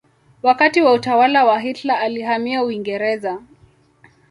Wakati wa utawala wa Hitler alihamia Uingereza.